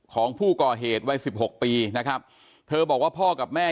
ของผู้ก่อเหตุวัยสิบหกปีนะครับเธอบอกว่าพ่อกับแม่